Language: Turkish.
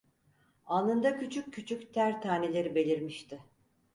Alnında küçük küçük ter taneleri belirmişti.